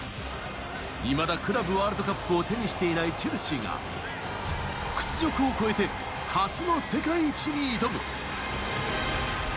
未だクラブワールドカップを手にしていないチェルシーが屈辱を超えて初の世界一に挑む。